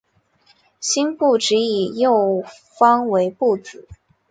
辛部只以右方为部字。